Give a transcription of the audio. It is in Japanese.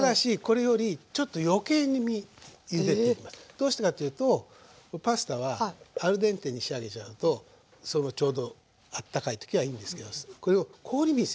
どうしてかっていうとパスタはアルデンテに仕上げちゃうとちょうどあったかい時はいいんですけどこれを氷水にとります。